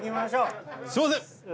すみません！